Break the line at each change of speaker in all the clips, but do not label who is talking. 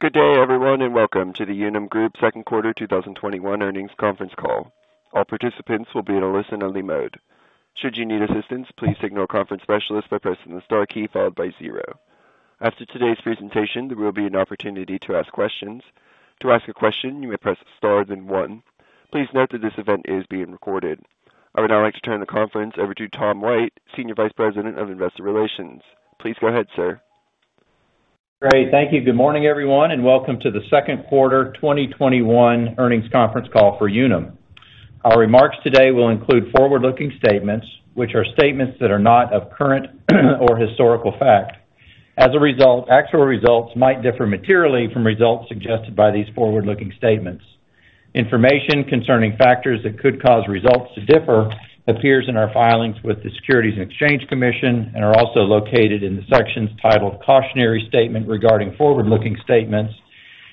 Good day, everyone, and welcome to the Unum Group second quarter 2021 earnings conference call. All participants will be on listen-only mode. Should you need assistance, please signal conference specialist by pressing the star key followed by zero. After today's presentation, there will be an opportunity to ask questions. To ask your question, you may press star then one. Please note that this event is being recorded. I would now like to turn the conference over to Tom White, Senior Vice President of Investor Relations. Please go ahead, sir.
Great. Thank you. Good morning, everyone, and welcome to the second quarter 2021 earnings conference call for Unum. Our remarks today will include forward-looking statements, which are statements that are not of current or historical fact. As a result, actual results might differ materially from results suggested by these forward-looking statements. Information concerning factors that could cause results to differ appears in our filings with the Securities and Exchange Commission and are also located in the sections titled Cautionary Statement Regarding Forward-Looking Statements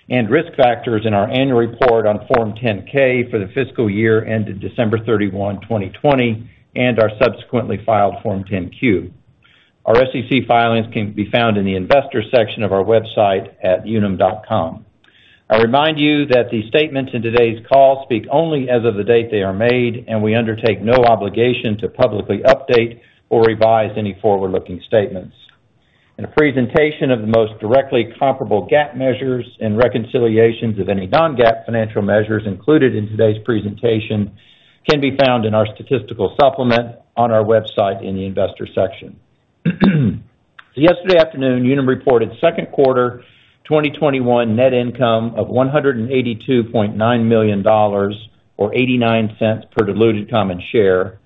and Risk Factors in our annual report on Form 10-K for the fiscal year ended December 31, 2020, and our subsequently filed Form 10-Q. Our SEC filings can be found in the Investors section of our website at unum.com. I remind you that the statements in today's call speak only as of the date they are made, and we undertake no obligation to publicly update or revise any forward-looking statements. In a presentation of the most directly comparable GAAP measures and reconciliations of any non-GAAP financial measures included in today's presentation can be found in our statistical supplement on our website in the Investors section. Yesterday afternoon, Unum reported second quarter 2021 net income of $182.9 million, or $0.89 per diluted common share,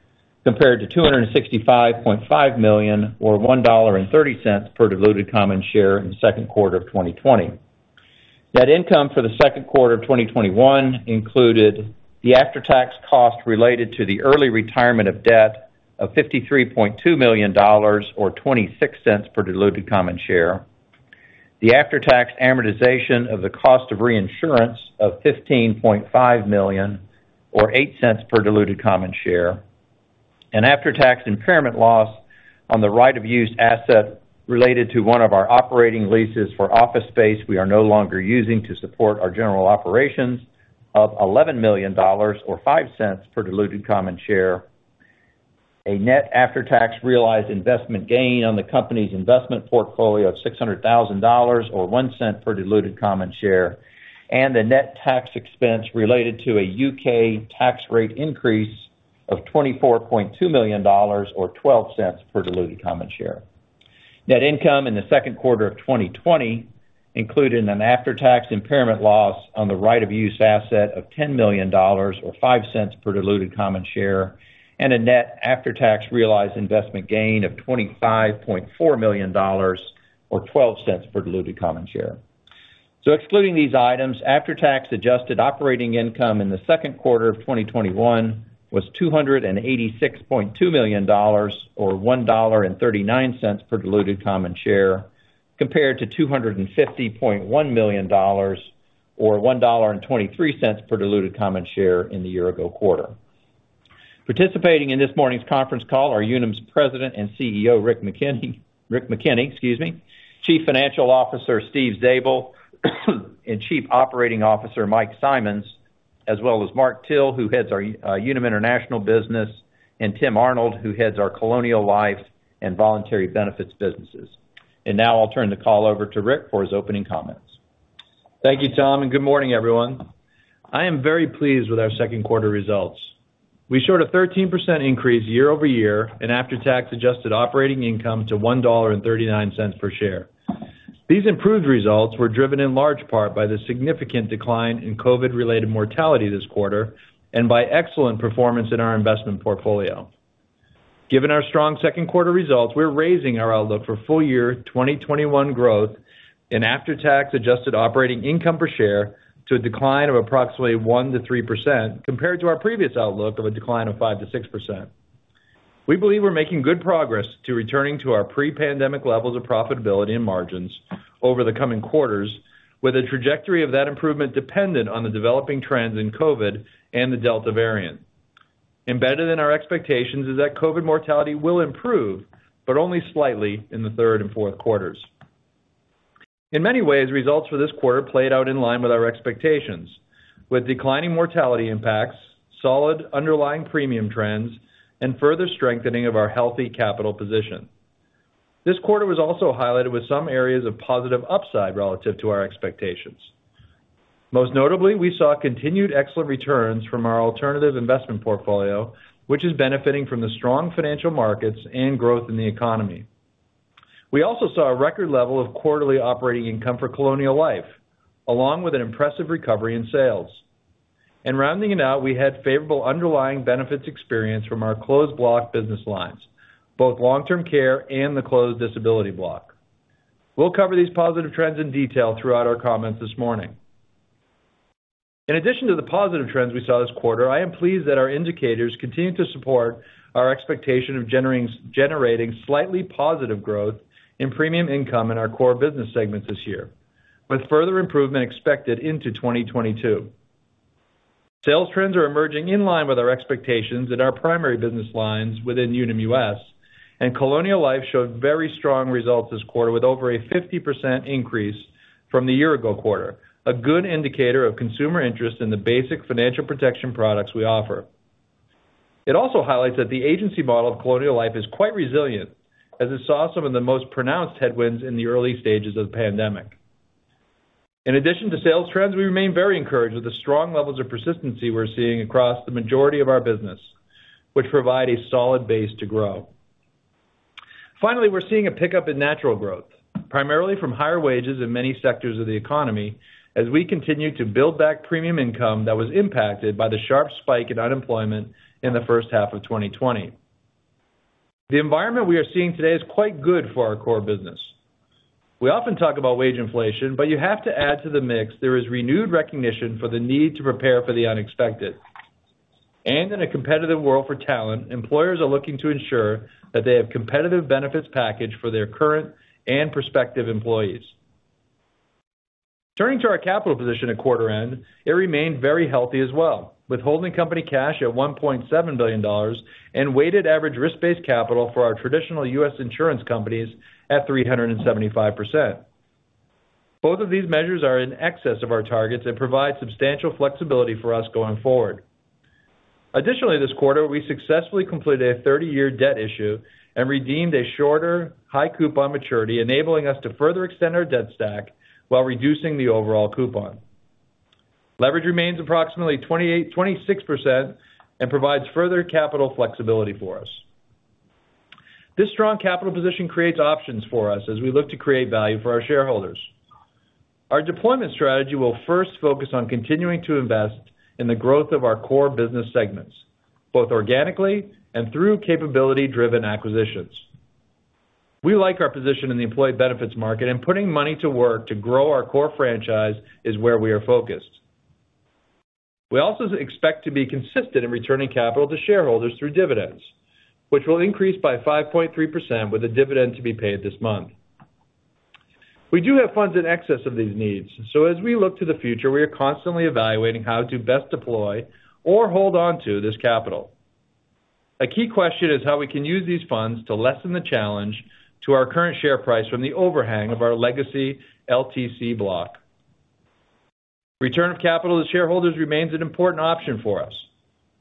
compared to $265.5 million or $1.30 per diluted common share in the second quarter of 2020. Net income for the second quarter of 2021 included the after-tax cost related to the early retirement of debt of $53.2 million or $0.26 per diluted common share, the after-tax amortization of the cost of reinsurance of $15.5 million or $0.08 per diluted common share, and after-tax impairment loss on the right of use asset related to one of our operating leases for office space we are no longer using to support our general operations of $11 million or $0.05 per diluted common share, a net after-tax realized investment gain on the company's investment portfolio of $600,000 or $0.01 per diluted common share, and a net tax expense related to a U.K. tax rate increase of $24.2 million or $0.12 per diluted common share. Net income in the second quarter of 2020 included an after-tax impairment loss on the right of use asset of $10 million or $0.05 per diluted common share, and a net after-tax realized investment gain of $25.4 million or $0.12 per diluted common share. Excluding these items, after-tax adjusted operating income in the second quarter of 2021 was $286.2 million or $1.39 per diluted common share compared to $250.1 million or $1.23 per diluted common share in the year-ago quarter. Participating in this morning's conference call are Unum's President and CEO, Rick McKenney, Chief Financial Officer, Steve Zabel, and Chief Operating Officer, Mike Simonds, as well as Mark Till, who heads our Unum International business, and Tim Arnold, who heads our Colonial Life and Voluntary Benefits businesses. Now I'll turn the call over to Rick for his opening comments.
Thank you, Tom, and good morning, everyone. I am very pleased with our second quarter results. We showed a 13% increase year-over-year in after-tax adjusted operating income to $1.39 per share. These improved results were driven in large part by the significant decline in COVID-related mortality this quarter and by excellent performance in our investment portfolio. Given our strong second quarter results, we're raising our outlook for full year 2021 growth in after-tax adjusted operating income per share to a decline of approximately 1%-3%, compared to our previous outlook of a decline of 5%-6%. We believe we're making good progress to returning to our pre-pandemic levels of profitability and margins over the coming quarters, with the trajectory of that improvement dependent on the developing trends in COVID and the Delta variant. Embedded in our expectations is that COVID mortality will improve, but only slightly in the third and fourth quarters. In many ways, results for this quarter played out in line with our expectations, with declining mortality impacts, solid underlying premium trends, and further strengthening of our healthy capital position. This quarter was also highlighted with some areas of positive upside relative to our expectations. Most notably, we saw continued excellent returns from our alternative investment portfolio, which is benefiting from the strong financial markets and growth in the economy. We also saw a record level of quarterly operating income for Colonial Life, along with an impressive recovery in sales. Rounding it out, we had favorable underlying benefits experience from our closed block business lines, both long-term care and the closed disability block. We'll cover these positive trends in detail throughout our comments this morning. In addition to the positive trends we saw this quarter, I am pleased that our indicators continue to support our expectation of generating slightly positive growth in premium income in our core business segments this year, with further improvement expected into 2022. Sales trends are emerging in line with our expectations in our primary business lines within Unum U.S., and Colonial Life showed very strong results this quarter with over a 50% increase from the year-ago quarter, a good indicator of consumer interest in the basic financial protection products we offer. It also highlights that the agency model of Colonial Life is quite resilient, as it saw some of the most pronounced headwinds in the early stages of the pandemic. In addition to sales trends, we remain very encouraged with the strong levels of persistency we're seeing across the majority of our business, which provide a solid base to grow. Finally, we're seeing a pickup in natural growth, primarily from higher wages in many sectors of the economy as we continue to build back premium income that was impacted by the sharp spike in unemployment in the first half of 2020. The environment we are seeing today is quite good for our core business. We often talk about wage inflation, but you have to add to the mix there is renewed recognition for the need to prepare for the unexpected. In a competitive world for talent, employers are looking to ensure that they have competitive benefits package for their current and prospective employees. Turning to our capital position at quarter end, it remained very healthy as well, with holding company cash at $1.7 billion and weighted average risk-based capital for our traditional U.S. insurance companies at 375%. Both of these measures are in excess of our targets and provide substantial flexibility for us going forward. Additionally, this quarter, we successfully completed a 30-year debt issue and redeemed a shorter high coupon maturity, enabling us to further extend our debt stack while reducing the overall coupon. Leverage remains approximately 26% and provides further capital flexibility for us. This strong capital position creates options for us as we look to create value for our shareholders. Our deployment strategy will first focus on continuing to invest in the growth of our core business segments, both organically and through capability-driven acquisitions. We like our position in the employee benefits market, and putting money to work to grow our core franchise is where we are focused. We also expect to be consistent in returning capital to shareholders through dividends, which will increase by 5.3% with the dividend to be paid this month. We do have funds in excess of these needs. As we look to the future, we are constantly evaluating how to best deploy or hold on to this capital. A key question is how we can use these funds to lessen the challenge to our current share price from the overhang of our legacy LTC block. Return of capital to shareholders remains an important option for us,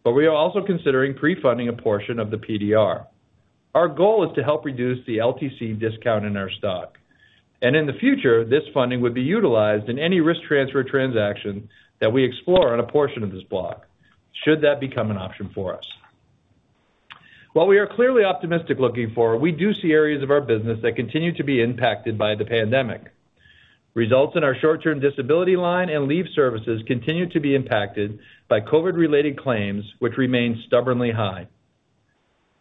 but we are also considering pre-funding a portion of the PDR. Our goal is to help reduce the LTC discount in our stock. In the future, this funding would be utilized in any risk transfer transaction that we explore on a portion of this block, should that become an option for us. While we are clearly optimistic looking forward, we do see areas of our business that continue to be impacted by the pandemic. Results in our short-term disability line and leave services continue to be impacted by COVID-related claims, which remain stubbornly high.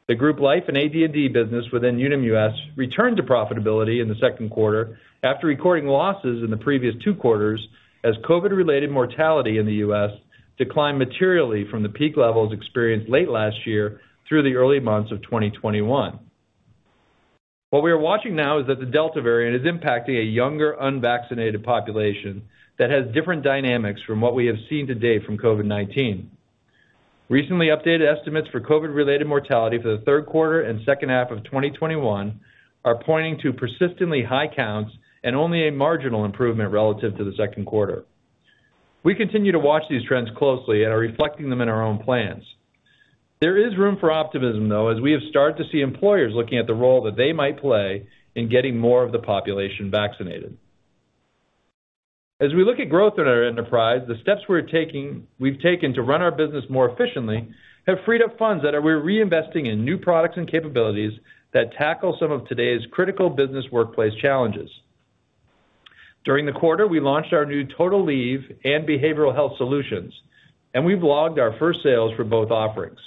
The Group Life and AD&D business within Unum U.S. returned to profitability in the second quarter after recording losses in the previous two quarters as COVID-related mortality in the U.S. declined materially from the peak levels experienced late last year through the early months of 2021. What we are watching now is that the Delta variant is impacting a younger, unvaccinated population that has different dynamics from what we have seen to date from COVID-19. Recently updated estimates for COVID-related mortality for the third quarter and second half of 2021 are pointing to persistently high counts and only a marginal improvement relative to the second quarter. We continue to watch these trends closely and are reflecting them in our own plans. There is room for optimism, though, as we have started to see employers looking at the role that they might play in getting more of the population vaccinated. As we look at growth in our enterprise, the steps we've taken to run our business more efficiently have freed up funds that we're reinvesting in new products and capabilities that tackle some of today's critical business workplace challenges. During the quarter, we launched our new Total Leave and Behavioral Health Solutions, and we've logged our first sales for both offerings.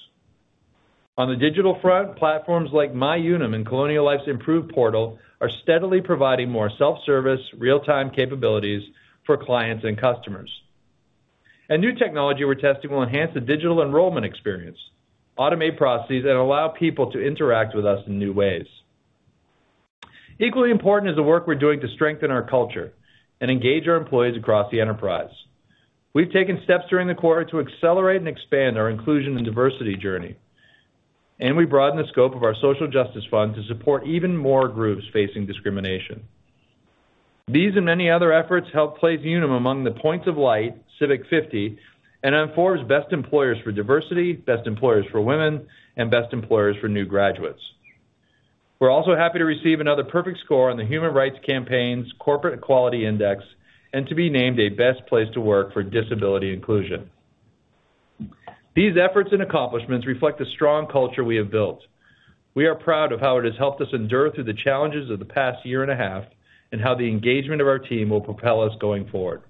On the digital front, platforms like MyUnum and Colonial Life's improved portal are steadily providing more self-service, real-time capabilities for clients and customers. A new technology we're testing will enhance the digital enrollment experience, automate processes, and allow people to interact with us in new ways. Equally important is the work we're doing to strengthen our culture and engage our employees across the enterprise. We've taken steps during the quarter to accelerate and expand our inclusion and diversity journey, and we broadened the scope of our social justice fund to support even more groups facing discrimination. These and many other efforts help place Unum among the Points of Light, The Civic 50 and Forbes's Best Employers for Diversity, Best Employers for Women, and Best Employers for New Graduates. We're also happy to receive another perfect score on the Human Rights Campaign's Corporate Equality Index and to be named a Best Place to Work for Disability Inclusion. These efforts and accomplishments reflect the strong culture we have built. We are proud of how it has helped us endure through the challenges of the past year and a half and how the engagement of our team will propel us going forward.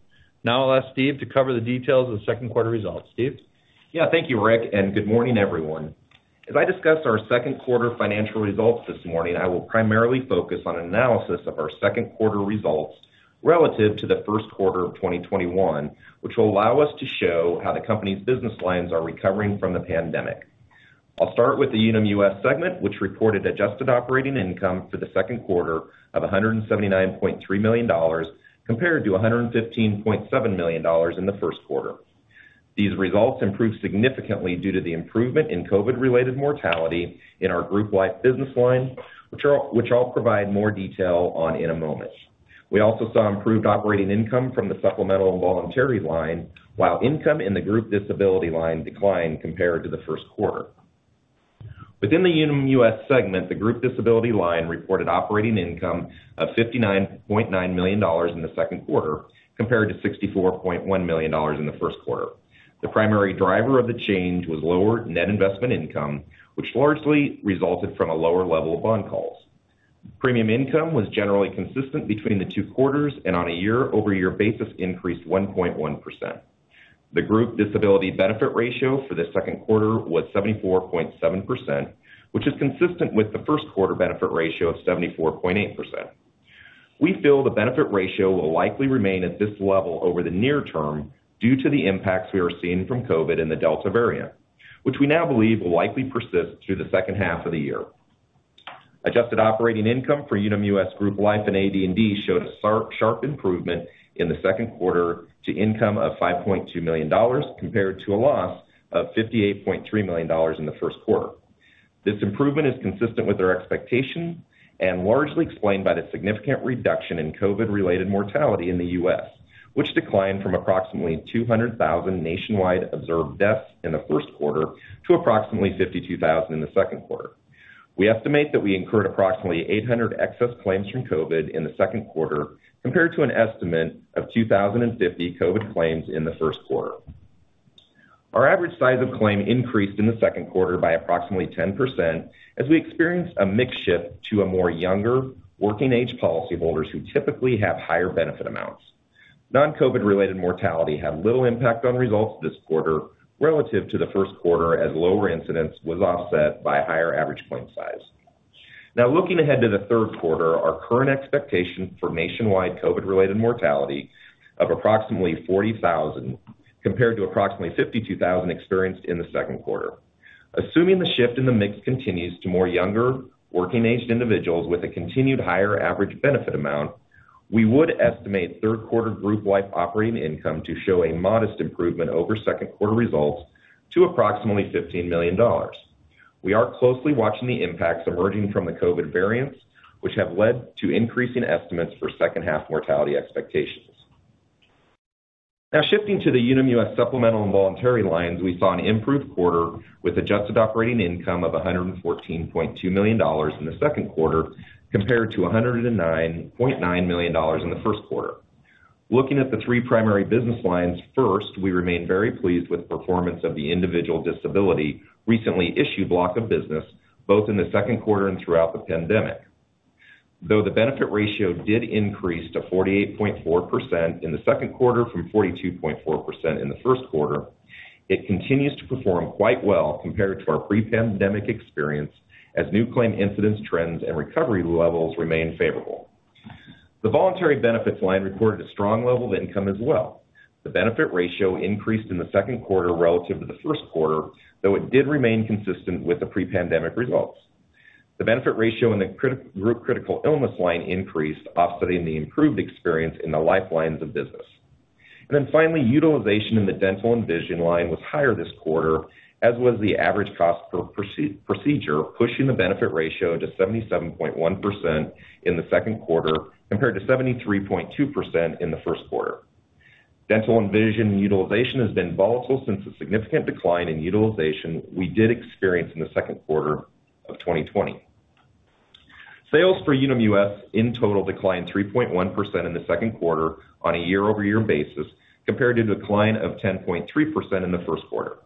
I'll ask Steve to cover the details of the second quarter results. Steve?
Yeah. Thank you, Rick. Good morning, everyone. As I discuss our second quarter financial results this morning, I will primarily focus on analysis of our second quarter results relative to the first quarter of 2021, which will allow us to show how the company's business lines are recovering from the pandemic. I'll start with the Unum U.S. segment, which reported adjusted operating income for the second quarter of $179.3 million compared to $115.7 million in the first quarter. These results improved significantly due to the improvement in COVID-related mortality in our Group Life business line, which I'll provide more detail on in a moment. We also saw improved operating income from the supplemental and voluntary line, while income in the group disability line declined compared to the first quarter. Within the Unum U.S. segment, the Group Disability line reported operating income of $59.9 million in the second quarter, compared to $64.1 million in the first quarter. The primary driver of the change was lower net investment income, which largely resulted from a lower level of bond calls. Premium income was generally consistent between the two quarters, and on a year-over-year basis increased 1.1%. The group disability benefit ratio for the second quarter was 74.7%, which is consistent with the first quarter benefit ratio of 74.8%. We feel the benefit ratio will likely remain at this level over the near-term due to the impacts we are seeing from COVID-19 and the Delta variant, which we now believe will likely persist through the second half of the year. Adjusted operating income for Unum U.S. Group Life and AD&D showed a sharp improvement in the second quarter to income of $5.2 million compared to a loss of $58.3 million in the first quarter. This improvement is consistent with our expectation and largely explained by the significant reduction in COVID-related mortality in the U.S., which declined from approximately 200,000 nationwide observed deaths in the first quarter to approximately 52,000 in the second quarter. We estimate that we incurred approximately 800 excess claims from COVID in the second quarter, compared to an estimate of 2,050 COVID claims in the first quarter. Our average size of claim increased in the second quarter by approximately 10% as we experienced a mix shift to a more younger working age policyholders who typically have higher benefit amounts. Non-COVID related mortality had little impact on results this quarter relative to the first quarter, as lower incidence was offset by higher average claim size. Looking ahead to the third quarter, our current expectation for nationwide COVID related mortality of approximately 40,000, compared to approximately 52,000 experienced in the second quarter. Assuming the shift in the mix continues to more younger working aged individuals with a continued higher average benefit amount, we would estimate third quarter Group Life operating income to show a modest improvement over second quarter results to approximately $15 million. We are closely watching the impacts emerging from the COVID variants, which have led to increasing estimates for second half mortality expectations. Shifting to the Unum U.S. supplemental and voluntary lines, we saw an improved quarter with adjusted operating income of $114.2 million in the second quarter, compared to $109.9 million in the first quarter. Looking at the three primary business lines, first, we remain very pleased with the performance of the Individual Disability recently issued block of business both in the second quarter and throughout the pandemic. Though the benefit ratio did increase to 48.4% in the second quarter from 42.4% in the first quarter, it continues to perform quite well compared to our pre-pandemic experience as new claim incidence trends and recovery levels remain favorable. The Voluntary Benefits line reported a strong level of income as well. The benefit ratio increased in the second quarter relative to the first quarter, though it did remain consistent with the pre-pandemic results. The benefit ratio in the Group Critical Illness line increased, offsetting the improved experience in the life lines of business. Finally, utilization in the dental and vision line was higher this quarter, as was the average cost per procedure, pushing the benefit ratio to 77.1% in the second quarter compared to 73.2% in the first quarter. dental and vision utilization has been volatile since the significant decline in utilization we did experience in the second quarter of 2020. Sales for Unum U.S. in total declined 3.1% in the second quarter on a year-over-year basis, compared to the decline of 10.3% in the first quarter.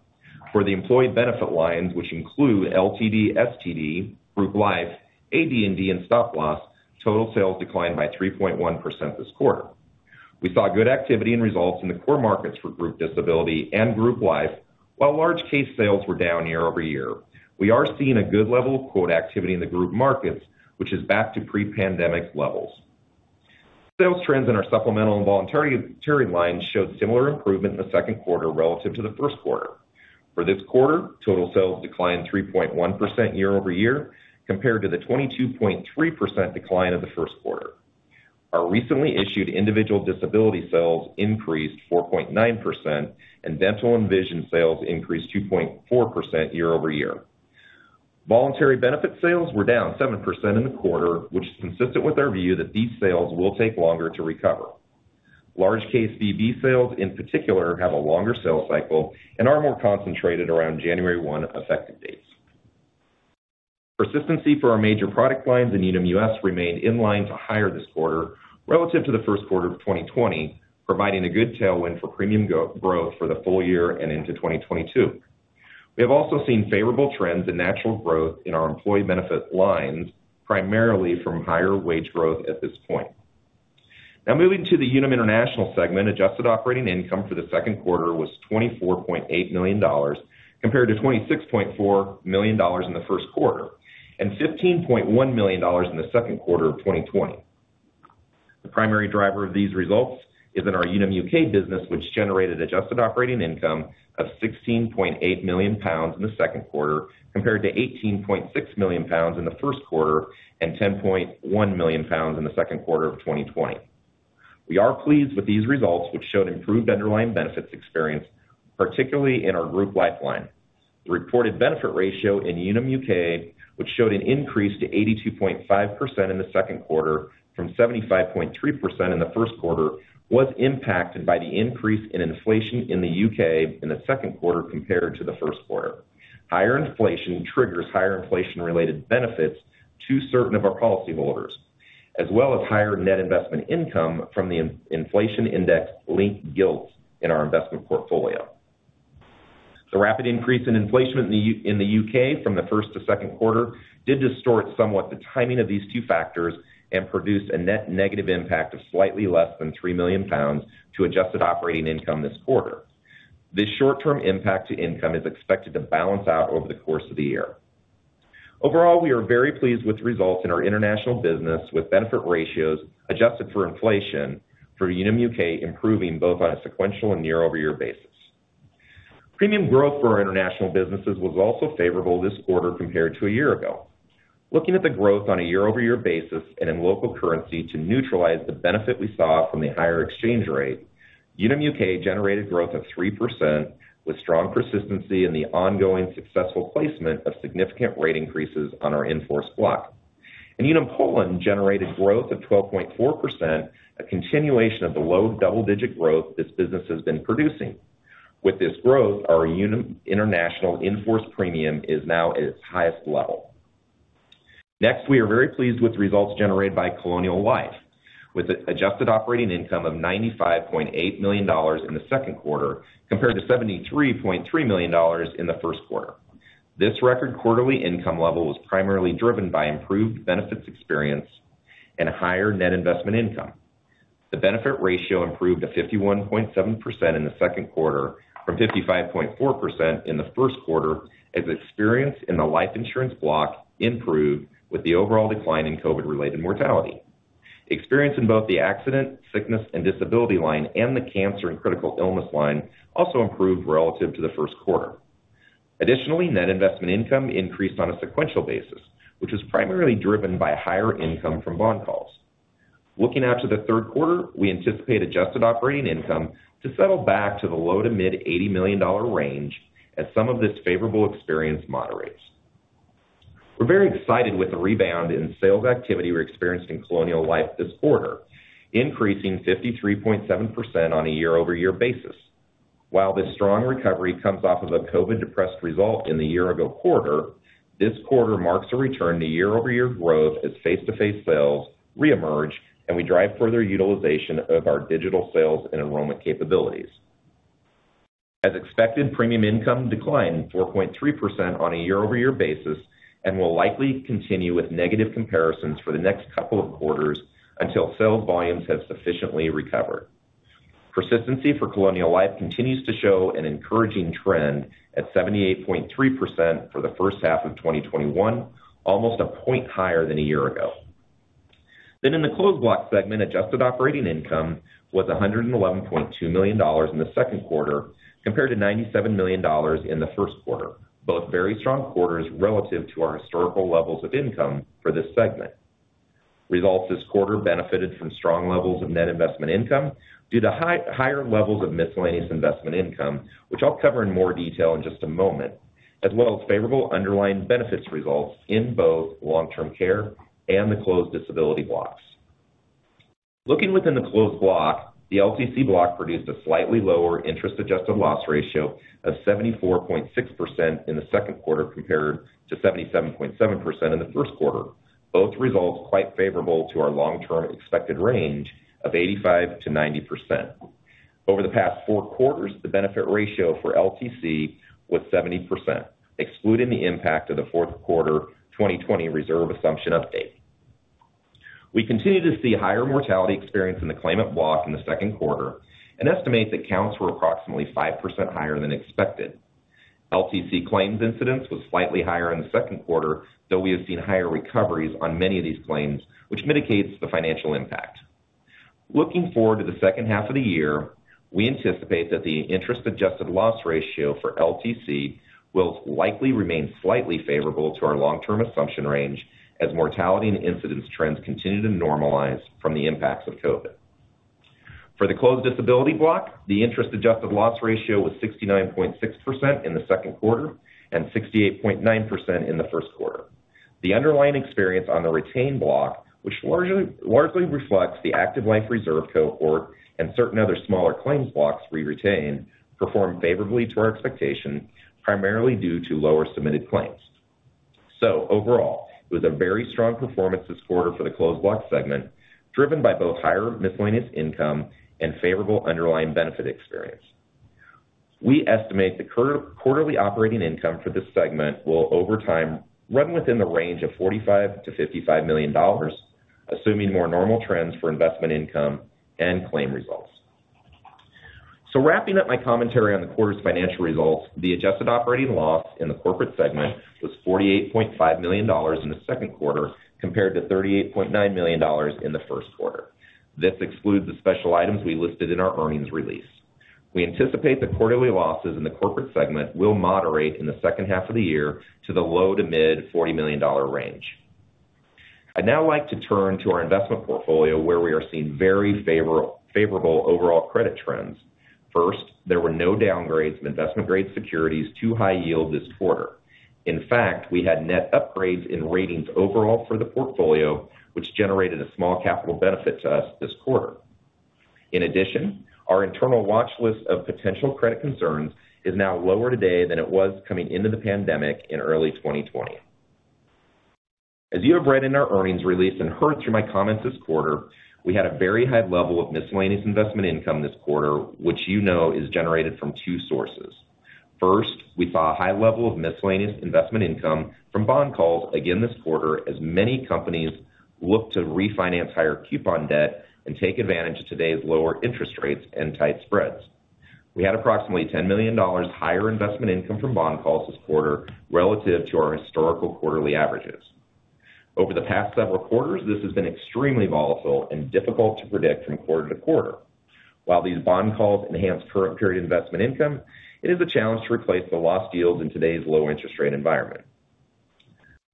For the employee benefit lines, which include LTD, STD, Group Life, AD&D, and Stop Loss, total sales declined by 3.1% this quarter. We saw good activity and results in the core markets for Group Disability and Group Life, while large case sales were down year-over-year. We are seeing a good level of quote activity in the group markets, which is back to pre-pandemic levels. Sales trends in our supplemental and voluntary lines showed similar improvement in the second quarter relative to the first quarter. For this quarter, total sales declined 3.1% year-over-year compared to the 22.3% decline of the first quarter. Our recently issued individual disability sales increased 4.9%, and dental and vision sales increased 2.4% year-over-year. Voluntary benefits sales were down 7% in the quarter, which is consistent with our view that these sales will take longer to recover. Large case VB sales in particular have a longer sales cycle and are more concentrated around January 1 effective dates. Persistency for our major product lines in Unum U.S. remained in line to higher this quarter relative to the first quarter of 2020, providing a good tailwind for premium growth for the full year and into 2022. We have also seen favorable trends in natural growth in our employee benefit lines, primarily from higher wage growth at this point. Now moving to the Unum International segment, adjusted operating income for the second quarter was $24.8 million compared to $26.4 million in the first quarter and $15.1 million in the second quarter of 2020. The primary driver of these results is in our Unum U.K. Business, which generated adjusted operating income of 16.8 million pounds in the second quarter, compared to 18.6 million pounds in the first quarter and 10.1 million pounds in the second quarter of 2020. We are pleased with these results, which showed improved underlying benefits experience, particularly in our Group Life line. The reported benefit ratio in Unum U.K., which showed an increase to 82.5% in the second quarter from 75.3% in the first quarter, was impacted by the increase in inflation in the U.K. in the second quarter compared to the first quarter. Higher inflation triggers higher inflation-related benefits to certain of our policy holders, as well as higher net investment income from the inflation index-linked gilts in our investment portfolio. The rapid increase in inflation in the U.K. from the first to second quarter did distort somewhat the timing of these two factors and produced a net negative impact of slightly less than 3 million pounds to adjusted operating income this quarter. This short-term impact to income is expected to balance out over the course of the year. Overall, we are very pleased with the results in our international business with benefit ratios adjusted for inflation for Unum U.K. improving both on a sequential and year-over-year basis. Premium growth for our international businesses was also favorable this quarter compared to a year ago. Looking at the growth on a year-over-year basis and in local currency to neutralize the benefit we saw from the higher exchange rate, Unum U.K. generated growth of 3%, with strong persistency in the ongoing successful placement of significant rate increases on our in-force block. Unum Poland generated growth of 12.4%, a continuation of the low double-digit growth this business has been producing. With this growth, our Unum International in-force premium is now at its highest level. Next, we are very pleased with the results generated by Colonial Life, with adjusted operating income of $95.8 million in the second quarter compared to $73.3 million in the first quarter. This record quarterly income level was primarily driven by improved benefits experience and higher net investment income. The benefit ratio improved to 51.7% in the second quarter from 55.4% in the first quarter as experience in the life insurance block improved with the overall decline in COVID-related mortality. Experience in both the accident, sickness, and disability line and the cancer and critical illness line also improved relative to the first quarter. Additionally, net investment income increased on a sequential basis, which was primarily driven by higher income from bond calls. Looking out to the third quarter, we anticipate adjusted operating income to settle back to the low to mid $80 million range as some of this favorable experience moderates. We're very excited with the rebound in sales activity we're experiencing Colonial Life this quarter, increasing 53.7% on a year-over-year basis. While this strong recovery comes off of a COVID-depressed result in the year-ago quarter, this quarter marks a return to year-over-year growth as face-to-face sales reemerge and we drive further utilization of our digital sales and enrollment capabilities. As expected, premium income declined 4.3% on a year-over-year basis and will likely continue with negative comparisons for the next couple of quarters until sales volumes have sufficiently recovered. Persistency for Colonial Life continues to show an encouraging trend at 78.3% for the first half of 2021, almost a point higher than a year ago. In the Closed Block segment, adjusted operating income was $111.2 million in the second quarter, compared to $97 million in the first quarter, both very strong quarters relative to our historical levels of income for this segment. Results this quarter benefited from strong levels of net investment income due to higher levels of miscellaneous investment income, which I'll cover in more detail in just a moment, as well as favorable underlying benefits results in both long-term care and the closed disability blocks. Looking within the Closed Block, the LTC block produced a slightly lower interest-adjusted loss ratio of 74.6% in the second quarter compared to 77.7% in the first quarter, both results quite favorable to our long-term expected range of 85%-90%. Over the past four quarters, the benefit ratio for LTC was 70%, excluding the impact of the fourth quarter 2020 reserve assumption update. We continue to see higher mortality experience in the claimant block in the second quarter and estimate that counts were approximately 5% higher than expected. LTC claims incidence was slightly higher in the second quarter, though we have seen higher recoveries on many of these claims, which mitigates the financial impact. Looking forward to the second half of the year, we anticipate that the interest-adjusted loss ratio for LTC will likely remain slightly favorable to our long-term assumption range as mortality and incidence trends continue to normalize from the impacts of COVID. For the closed disability block, the interest-adjusted loss ratio was 69.6% in the second quarter and 68.9% in the first quarter. The underlying experience on the retained block, which largely reflects the active life reserve cohort and certain other smaller claims blocks we retain, performed favorably to our expectation, primarily due to lower submitted claims. Overall, it was a very strong performance this quarter for the Closed Block segment, driven by both higher miscellaneous income and favorable underlying benefit experience. We estimate the quarterly operating income for this segment will, over time, run within the range of $45 million-$55 million, assuming more normal trends for investment income and claim results. Wrapping up my commentary on the quarter's financial results, the adjusted operating loss in the corporate segment was $48.5 million in the second quarter, compared to $38.9 million in the first quarter. This excludes the special items we listed in our earnings release. We anticipate the quarterly losses in the Corporate segment will moderate in the second half of the year to the low-to-mid $40 million range. I'd now like to turn to our investment portfolio, where we are seeing very favorable overall credit trends. First, there were no downgrades of investment-grade securities to high yield this quarter. In fact, we had net upgrades in ratings overall for the portfolio, which generated a small capital benefit to us this quarter. In addition, our internal watchlist of potential credit concerns is now lower today than it was coming into the pandemic in early 2020. As you have read in our earnings release and heard through my comments this quarter, we had a very high level of miscellaneous investment income this quarter, which you know is generated from two sources. First, we saw a high level of miscellaneous investment income from bond calls again this quarter, as many companies look to refinance higher coupon debt and take advantage of today's lower interest rates and tight spreads. We had approximately $10 million higher investment income from bond calls this quarter relative to our historical quarterly averages. Over the past several quarters, this has been extremely volatile and difficult to predict from quarter-to-quarter. While these bond calls enhance current period investment income, it is a challenge to replace the lost yields in today's low interest rate environment.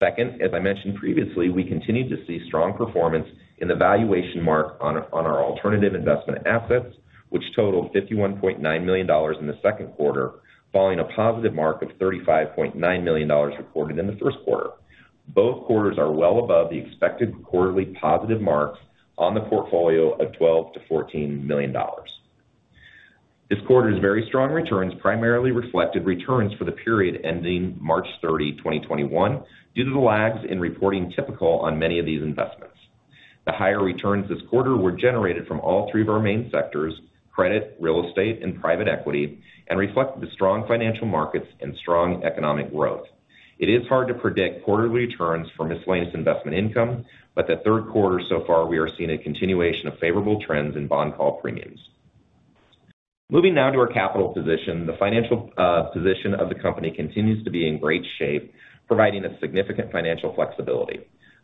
Second, as I mentioned previously, we continue to see strong performance in the valuation mark on our alternative investment assets, which totaled $51.9 million in the second quarter, following a positive mark of $35.9 million reported in the first quarter. Both quarters are well above the expected quarterly positive marks on the portfolio of $12 million-$14 million. This quarter's very strong returns primarily reflected returns for the period ending March 30, 2021, due to the lags in reporting typical on many of these investments. The higher returns this quarter were generated from all three of our main sectors, credit, real estate, and private equity, and reflect the strong financial markets and strong economic growth. It is hard to predict quarterly returns for miscellaneous investment income, but the third quarter so far, we are seeing a continuation of favorable trends in bond call premiums. Moving now to our capital position, the financial position of the company continues to be in great shape, providing us significant financial flexibility.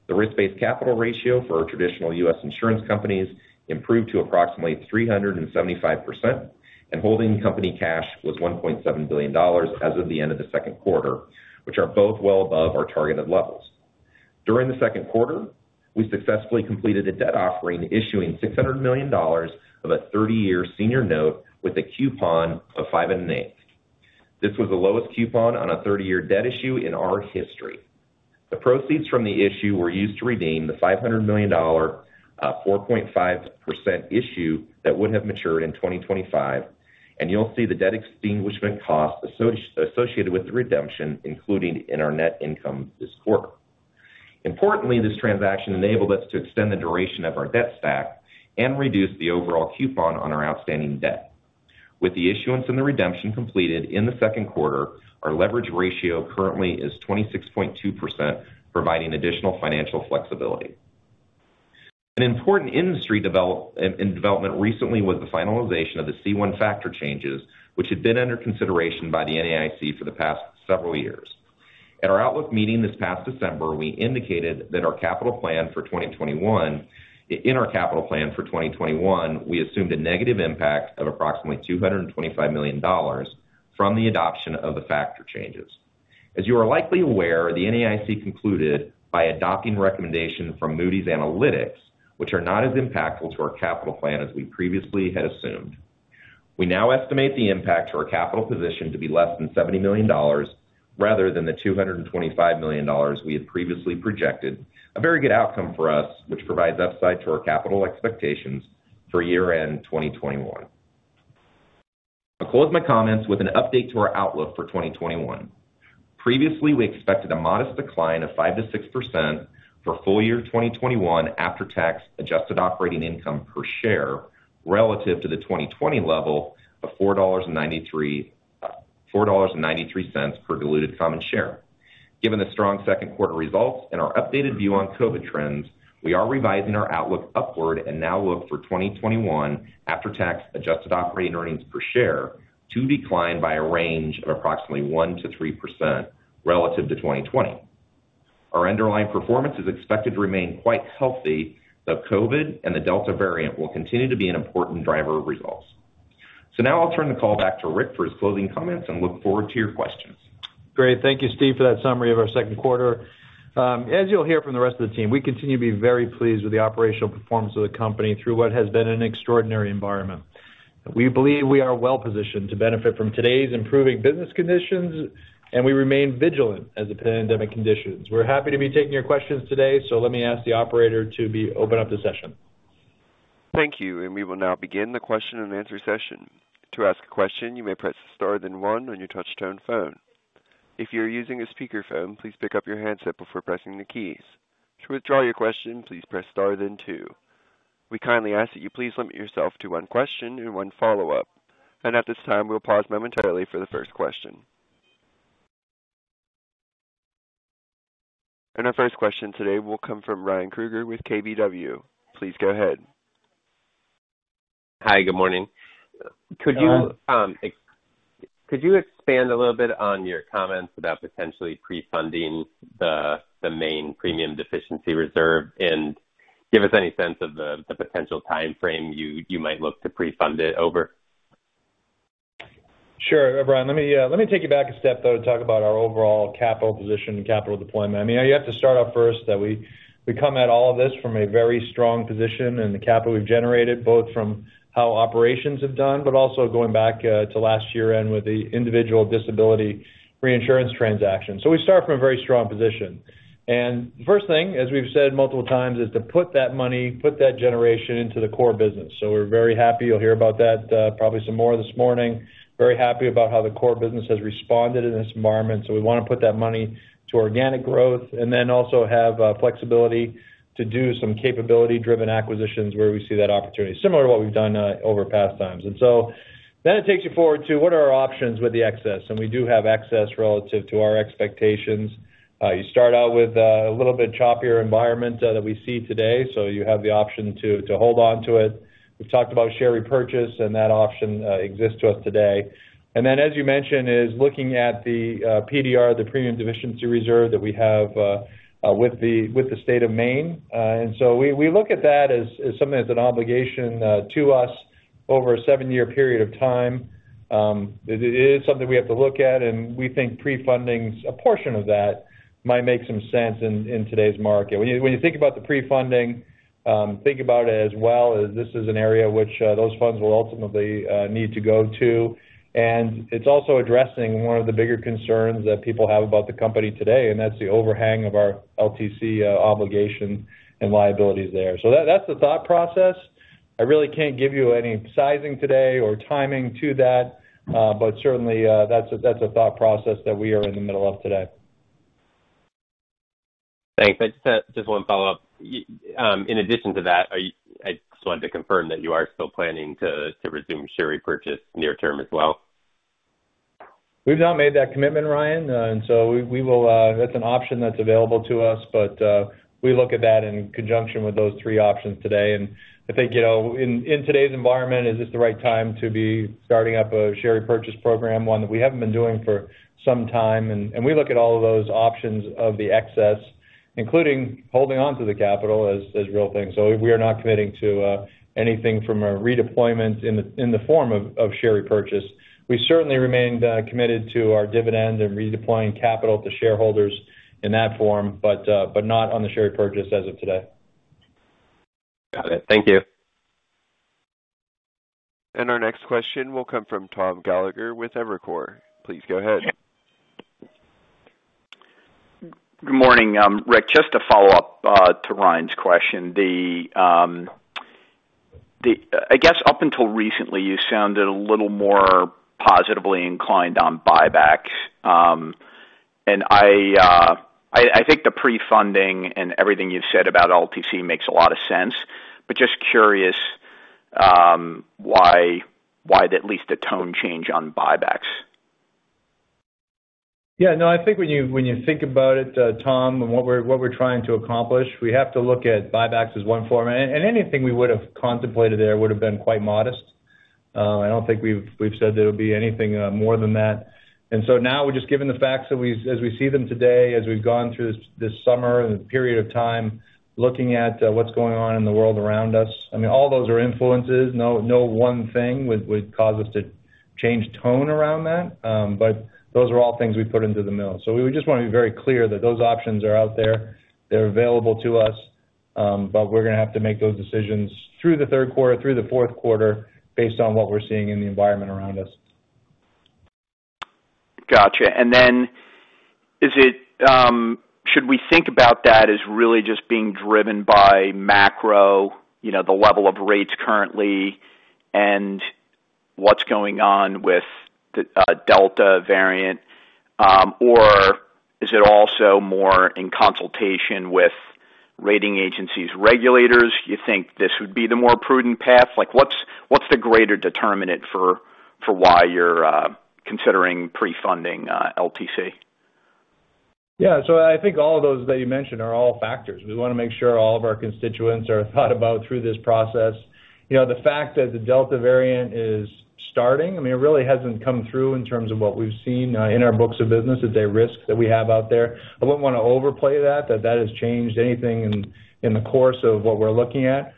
The risk-based capital ratio for our traditional U.S. insurance companies improved to approximately 375%, and holding company cash was $1.7 billion as of the end of the second quarter, which are both well above our targeted levels. During the second quarter, we successfully completed a debt offering, issuing $600 million of a 30-year senior note with a coupon of five and an eighth. This was the lowest coupon on a 30-year debt issue in our history. The proceeds from the issue were used to redeem the $500 million, 4.5% issue that would have matured in 2025. You'll see the debt extinguishment cost associated with the redemption included in our net income this quarter. Importantly, this transaction enabled us to extend the duration of our debt stack and reduce the overall coupon on our outstanding debt. With the issuance and the redemption completed in the second quarter, our leverage ratio currently is 26.2%, providing additional financial flexibility. An important industry in development recently was the finalization of the C1 factor changes, which had been under consideration by the NAIC for the past several years. At our outlook meeting this past December, we indicated that in our capital plan for 2021, we assumed a negative impact of approximately $225 million from the adoption of the factor changes. As you are likely aware, the NAIC concluded by adopting recommendation from Moody's Analytics, which are not as impactful to our capital plan as we previously had assumed. We now estimate the impact to our capital position to be less than $70 million, rather than the $225 million we had previously projected, a very good outcome for us, which provides upside to our capital expectations for year-end 2021. I'll close my comments with an update to our outlook for 2021. Previously, we expected a modest decline of 5%-6% for full-year 2021 after-tax adjusted operating income per share relative to the 2020 level of $4.93 per diluted common share. Given the strong second quarter results and our updated view on COVID trends, we are revising our outlook upward and now look for 2021 after-tax adjusted operating earnings per share to decline by a range of approximately 1%-3% relative to 2020. Our underlying performance is expected to remain quite healthy, though COVID and the Delta variant will continue to be an important driver of results. Now I'll turn the call back to Rick for his closing comments and look forward to your questions.
Great. Thank you, Steve, for that summary of our second quarter. As you'll hear from the rest of the team, we continue to be very pleased with the operational performance of the company through what has been an extraordinary environment. We believe we are well-positioned to benefit from today's improving business conditions, and we remain vigilant. We're happy to be taking your questions today. Let me ask the operator to open up the session.
Thank you. We will now begin the question and answer session. To ask question, you may press star then one in your touch-tone phone. If you're using a speaker phone, please pick up your handset before pressing the keys. To withdraw your question, please press star then two. We kindly ask you to please limit yourself to one question and one follow-up. And at this time, we pause momentarily for the first question. Our first question today will come from Ryan Krueger with KBW. Please go ahead.
Hi, good morning.
Hi.
Could you expand a little bit on your comments about potentially pre-funding the Maine premium deficiency reserve, and give us any sense of the potential timeframe you might look to pre-fund it over?
Sure, Ryan. Let me take you back a step, though, to talk about our overall capital position and capital deployment. You have to start out first that we come at all of this from a very strong position in the capital we've generated, both from how operations have done, but also going back to last year and with the individual disability reinsurance transaction. We start from a very strong position. The first thing, as we've said multiple times, is to put that money, put that generation into the core business. We're very happy. You'll hear about that probably some more this morning. Very happy about how the core business has responded in this environment. We want to put that money to organic growth and also have flexibility to do some capability-driven acquisitions where we see that opportunity, similar to what we've done over past times. It takes you forward to what are our options with the excess, and we do have excess relative to our expectations. You start out with a little bit choppier environment that we see today, so you have the option to hold onto it. We've talked about share repurchase, and that option exists to us today. Then, as you mentioned, is looking at the PDR, the premium deficiency reserve that we have with the state of Maine. We look at that as something that's an obligation to us over a seven-year period of time. It is something we have to look at, and we think pre-funding a portion of that might make some sense in today's market. When you think about the pre-funding, think about it as well as this is an area which those funds will ultimately need to go to, and it's also addressing one of the bigger concerns that people have about the company today, and that's the overhang of our LTC obligation and liabilities there. That's the thought process. I really can't give you any sizing today or timing to that. Certainly, that's a thought process that we are in the middle of today.
Thanks. Just one follow-up. In addition to that, I just wanted to confirm that you are still planning to resume share repurchase near-term as well.
We've not made that commitment, Ryan. That's an option that's available to us, but we look at that in conjunction with those three options today. I think, in today's environment, is this the right time to be starting up a share repurchase program, one that we haven't been doing for some time? We look at all of those options of the excess, including holding onto the capital as real things. We are not committing to anything from a redeployment in the form of share repurchase. We certainly remain committed to our dividend and redeploying capital to shareholders in that form, but not on the share purchase as of today.
Got it. Thank you.
Our next question will come from Tom Gallagher with Evercore. Please go ahead.
Good morning. Rick, just to follow up to Ryan's question. I guess up until recently, you sounded a little more positively inclined on buybacks. I think the pre-funding and everything you've said about LTC makes a lot of sense, but just curious why at least a tone change on buybacks?
Yeah, no, I think when you think about it, Tom, and what we're trying to accomplish, we have to look at buybacks as one form, and anything we would've contemplated there would've been quite modest. I don't think we've said there would be anything more than that. Now we're just given the facts as we see them today, as we've gone through this summer and the period of time looking at what's going on in the world around us. I mean, all those are influences. No one thing would cause us to change tone around that. Those are all things we put into the mill. We just want to be very clear that those options are out there. They're available to us. We're going to have to make those decisions through the third quarter, through the fourth quarter, based on what we're seeing in the environment around us.
Got you. Should we think about that as really just being driven by macro, the level of rates currently, and what's going on with the Delta variant? Or is it also more in consultation with rating agencies, regulators? You think this would be the more prudent path? What's the greater determinant for why you're considering pre-funding LTC?
I think all of those that you mentioned are all factors. We want to make sure all of our constituents are thought about through this process. The fact that the Delta variant is starting, I mean, it really hasn't come through in terms of what we've seen in our books of business as a risk that we have out there. I wouldn't want to overplay that has changed anything in the course of what we're looking at.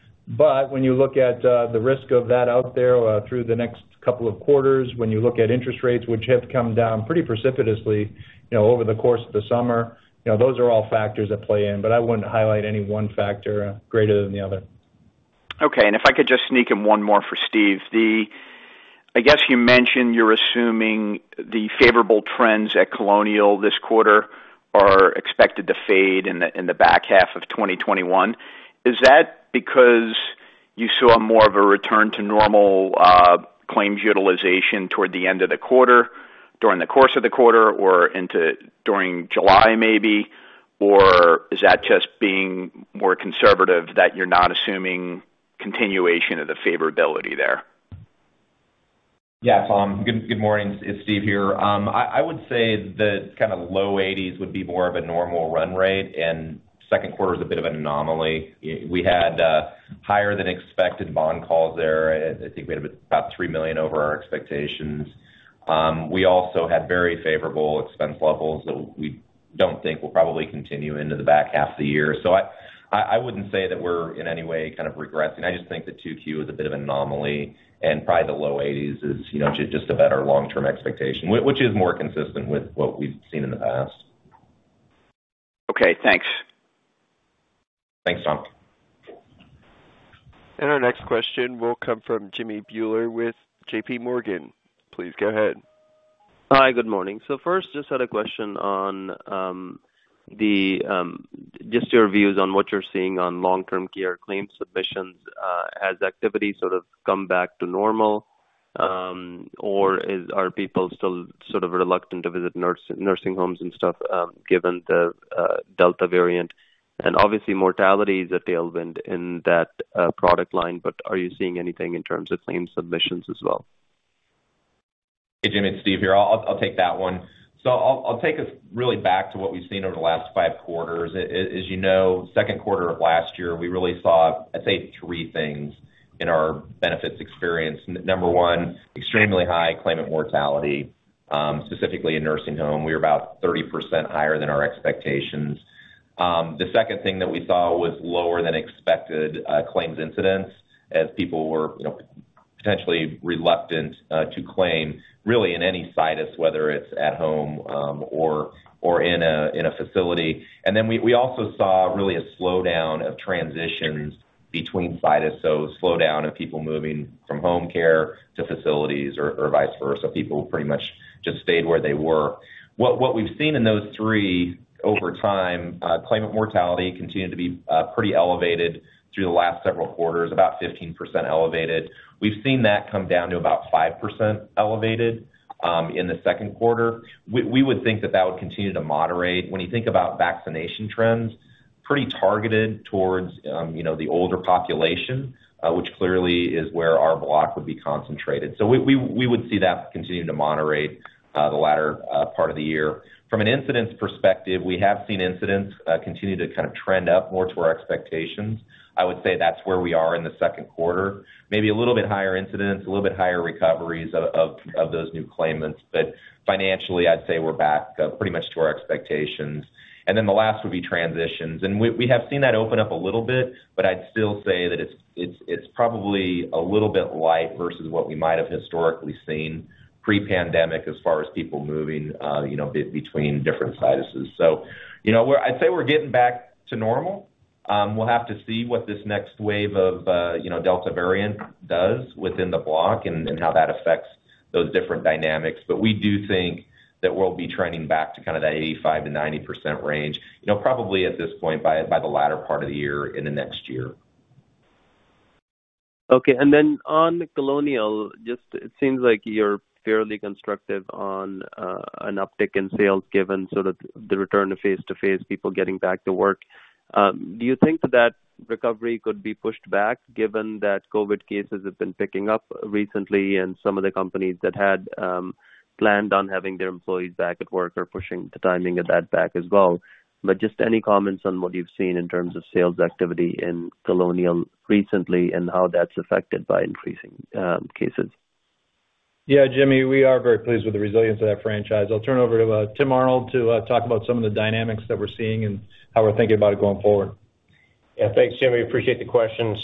When you look at the risk of that out there through the next couple of quarters, when you look at interest rates, which have come down pretty precipitously over the course of the summer, those are all factors that play in. I wouldn't highlight any one factor greater than the other.
If I could just sneak in one more for Steve. I guess you mentioned you're assuming the favorable trends at Colonial Life this quarter are expected to fade in the back half of 2021. Is that because you saw more of a return to normal claims utilization toward the end of the quarter, during the course of the quarter or during July, maybe? Is that just being more conservative that you're not assuming continuation of the favorability there?
Tom. Good morning. It's Steve here. I would say that low 80s would be more of a normal run rate, and second quarter is a bit of an anomaly. We had higher than expected bond calls there. I think we had about $3 million over our expectations. We also had very favorable expense levels that we don't think will probably continue into the back half of the year. I wouldn't say that we're in any way regressing. I just think that 2Q is a bit of an anomaly, and probably the low 80s is just a better long-term expectation, which is more consistent with what we've seen in the past.
Okay, thanks.
Thanks, Tom.
Our next question will come from Jimmy Bhullar with JPMorgan. Please go ahead.
Hi, good morning. First, just had a question on just your views on what you're seeing on long-term care claims submissions. Has activity sort of come back to normal? Are people still sort of reluctant to visit nursing homes and stuff, given the Delta variant? Obviously mortality is a tailwind in that product line, but are you seeing anything in terms of claims submissions as well?
Hey, Jimmy, it's Steve here. I'll take that one. I'll take us really back to what we've seen over the last five quarters. As you know, second quarter of last year, we really saw, I'd say, three things in our benefits experience. Number one, extremely high claimant mortality, specifically in nursing home. We were about 30% higher than our expectations. The second thing that we saw was lower than expected claims incidents as people were potentially reluctant to claim really in any situs, whether it's at home or in a facility. Then we also saw really a slowdown of transitions between situs, so slowdown of people moving from home care to facilities or vice versa. People pretty much just stayed where they were. What we've seen in those three over time, claimant mortality continued to be pretty elevated through the last several quarters, about 15% elevated. We've seen that come down to about 5% elevated in the second quarter. We would think that that would continue to moderate. When you think about vaccination trends, pretty targeted towards the older population, which clearly is where our block would be concentrated. We would see that continue to moderate the latter part of the year. From an incidence perspective, we have seen incidence continue to kind of trend up more to our expectations. I would say that's where we are in the second quarter, maybe a little bit higher incidence, a little bit higher recoveries of those new claimants. Financially, I'd say we're back pretty much to our expectations. Then the last would be transitions, and we have seen that open up a little bit, but I'd still say that it's probably a little bit light versus what we might have historically seen pre-pandemic as far as people moving between different situses. I'd say we're getting back to normal. We'll have to see what this next wave of Delta variant does within the block and how that affects those different dynamics. We do think that we'll be trending back to kind of that 85%-90% range, probably at this point by the latter part of the year into next year.
Okay. On Colonial Life, just it seems like you're fairly constructive on an uptick in sales given sort of the return to face-to-face, people getting back to work. Do you think that recovery could be pushed back given that COVID cases have been picking up recently and some of the companies that had planned on having their employees back at work are pushing the timing of that back as well? Just any comments on what you've seen in terms of sales activity in Colonial Life recently and how that's affected by increasing cases.
Yeah, Jimmy, we are very pleased with the resilience of that franchise. I'll turn over to Tim Arnold to talk about some of the dynamics that we're seeing and how we're thinking about it going forward.
Thanks, Jimmy. Appreciate the question.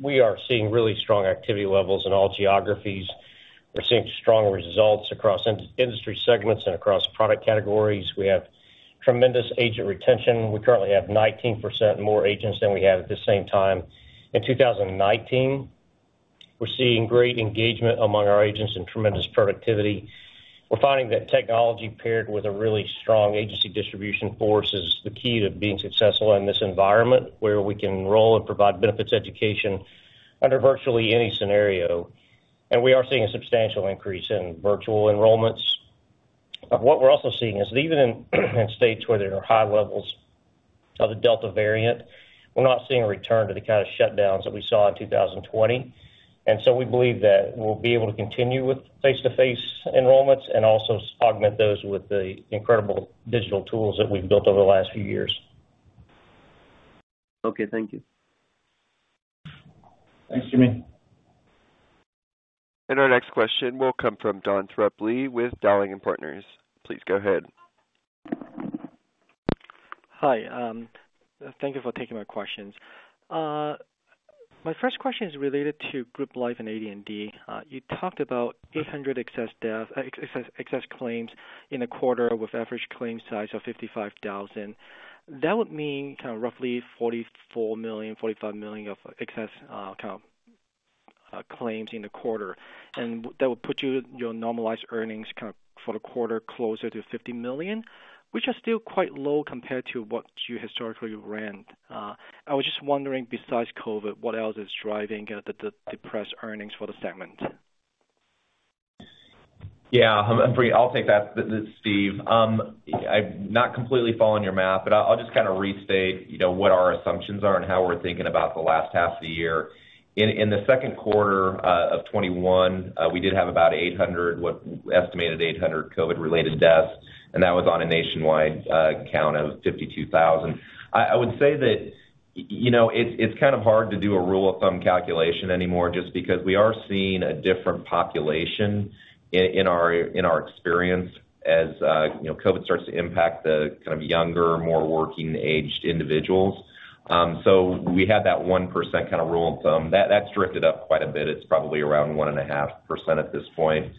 We are seeing really strong activity levels in all geographies. We're seeing strong results across industry segments and across product categories. We have tremendous agent retention. We currently have 19% more agents than we had at the same time in 2019. We're seeing great engagement among our agents and tremendous productivity. We're finding that technology paired with a really strong agency distribution force is the key to being successful in this environment, where we can enroll and provide benefits education under virtually any scenario. We are seeing a substantial increase in virtual enrollments. What we're also seeing is that even in states where there are high levels of the Delta variant, we're not seeing a return to the kind of shutdowns that we saw in 2020. We believe that we'll be able to continue with face-to-face enrollments and also augment those with the incredible digital tools that we've built over the last few years.
Okay. Thank you.
Thanks, Jimmy.
Our next question will come from Humphrey Lee with Dowling & Partners. Please go ahead.
Hi. Thank you for taking my questions. My first question is related to Group Life and AD&D. You talked about 800 excess claims in a quarter with average claim size of $55,000. That would mean kind of roughly $44 million, $45 million of excess claims in the quarter, and that would put your normalized earnings for the quarter closer to $50 million, which are still quite low compared to what you historically ran. I was just wondering, besides COVID, what else is driving the depressed earnings for the segment?
Humphrey, I'll take that. This is Steve. I've not completely following your math, but I'll just restate what our assumptions are and how we're thinking about the last half of the year. In the second quarter of 2021, we did have an estimated 800 COVID-related deaths, and that was on a nationwide count of 52,000. I would say that it's kind of hard to do a rule-of-thumb calculation anymore just because we are seeing a different population in our experience as COVID starts to impact the younger, more working-aged individuals. We had that 1% rule of thumb. That's drifted up quite a bit. It's probably around 1.5% at this point.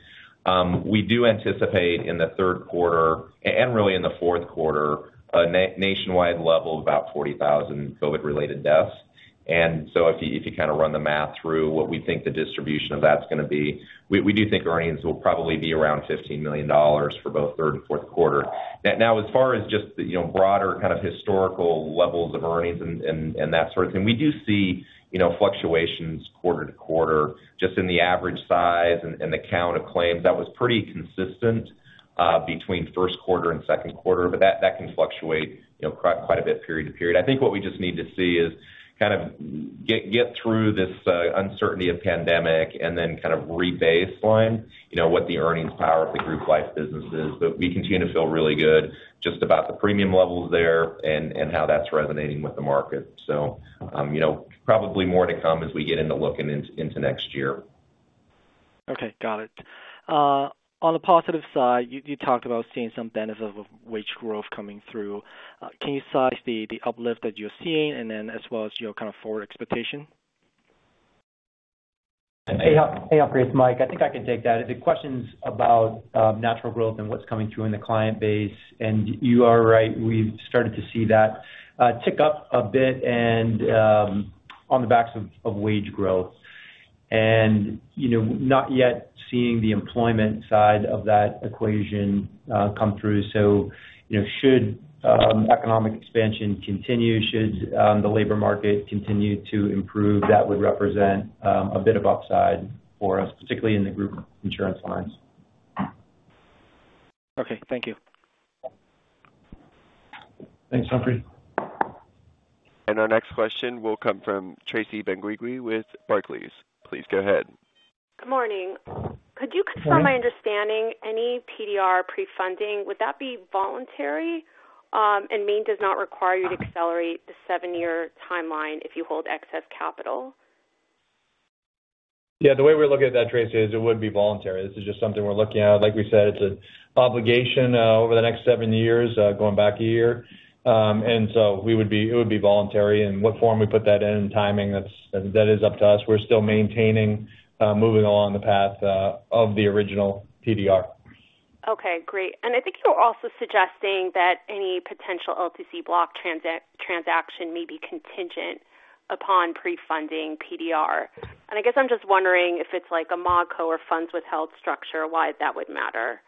We do anticipate in the third quarter, and really in the fourth quarter, a nationwide level of about 40,000 COVID-related deaths. If you run the math through what we think the distribution of that's going to be, we do think earnings will probably be around $15 million for both third and fourth quarter. Now, as far as just the broader historical levels of earnings and that sort of thing, we do see fluctuations quarter-to-quarter, just in the average size and the count of claims. That was pretty consistent between first quarter and second quarter, but that can fluctuate quite a bit period to period. I think what we just need to see is get through this uncertainty of pandemic and then re-baseline what the earnings power of the Group Life business is. We continue to feel really good just about the premium levels there and how that's resonating with the market. Probably more to come as we get into looking into next year.
Okay. Got it. On the positive side, you talked about seeing some benefits of wage growth coming through. Can you size the uplift that you're seeing, and then as well as your forward expectation?
Hey, Humphrey. It's Mike. I think I can take that. The question's about natural growth and what's coming through in the client base, and you are right. We've started to see that tick up a bit and on the backs of wage growth. Not yet seeing the employment side of that equation come through. Should economic expansion continue, should the labor market continue to improve, that would represent a bit of upside for us, particularly in the group insurance lines.
Okay. Thank you.
Thanks, Humphrey.
Our next question will come from Tracy Benguigui with Barclays. Please go ahead.
Good morning.
Morning.
Could you confirm my understanding, any PDR pre-funding, would that be voluntary? Maine does not require you to accelerate the seven-year timeline if you hold excess capital?
Yeah. The way we're looking at that, Tracy, is it would be voluntary. This is just something we're looking at. Like we said, it's an obligation over the next seven years, going back a year. It would be voluntary. What form we put that in and timing, that is up to us. We're still maintaining moving along the path of the original PDR.
Okay. Great. I think you were also suggesting that any potential LTC block transaction may be contingent upon pre-funding PDR. I guess I'm just wondering if it's like a ModCo or funds-withheld structure, why that would matter?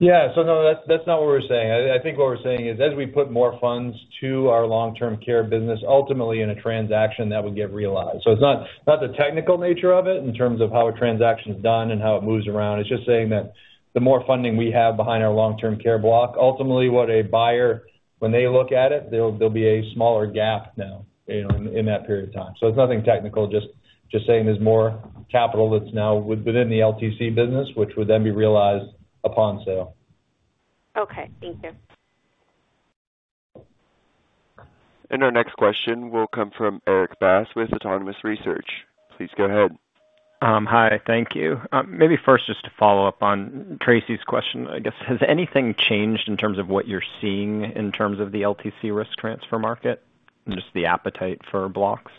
Yeah. No, that's not what we're saying. I think what we're saying is, as we put more funds to our long-term care business, ultimately in a transaction, that would get realized. It's not the technical nature of it in terms of how a transaction's done and how it moves around. It's just saying that the more funding we have behind our long-term care block, ultimately, what a buyer, when they look at it, there'll be a smaller gap now in that period of time. It's nothing technical, just saying there's more capital that's now within the LTC business, which would then be realized upon sale.
Okay. Thank you.
Our next question will come from Erik Bass with Autonomous Research. Please go ahead.
Hi. Thank you. Maybe first, just to follow up on Tracy's question, I guess, has anything changed in terms of what you're seeing in terms of the LTC risk transfer market and just the appetite for blocks?